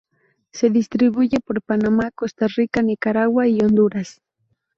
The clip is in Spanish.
Se distribuye por Panamá, Costa Rica, Nicaragua y Honduras.